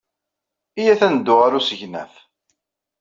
Iyyat ad neddu ɣer usegnaf.